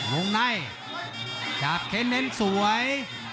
วงในจากเค้นเน้นสวย